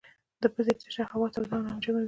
د پزې تشه هوا توده او نمجنه کوي.